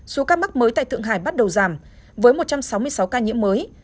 số ca mắc mới tại thượng hải bắt đầu giảm với một trăm sáu mươi sáu ca nhiễm mới